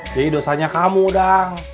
jadi dosanya kamu dang